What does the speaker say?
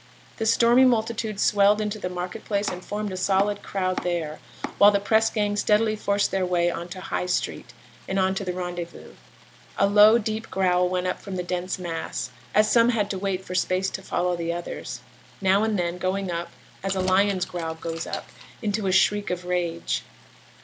The stormy multitude swelled into the market place and formed a solid crowd there, while the press gang steadily forced their way on into High Street, and on to the rendezvous. A low, deep growl went up from the dense mass, as some had to wait for space to follow the others now and then going up, as a lion's growl goes up, into a shriek of rage.